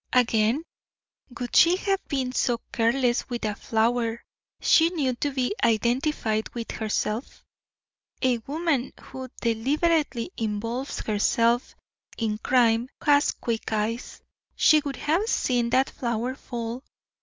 Again, would she have been so careless with a flower she knew to be identified with herself? A woman who deliberately involves herself in crime has quick eyes; she would have seen that flower fall.